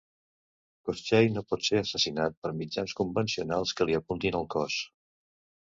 Koschei no pot ser assassinat per mitjans convencionals que li apuntin el cos.